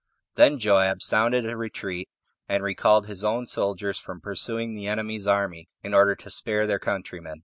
Then Joab sounded a retreat, and recalled his own soldiers from pursuing the enemy's army, in order to spare their countrymen.